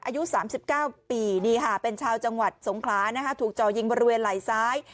อายุ๓๙ปีเป็นชาวจังหวัดสงคลาถูกจ่อยิงบริเวณไหล้ซ้าย